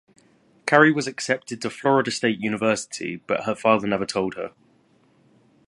Carrie was accepted to Florida State University but her father never told her.